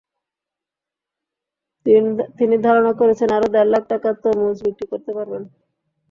তিনি ধারণা করছেন আরও দেড় লাখ টাকা তরমুজ বিক্রি করতে পারবেন।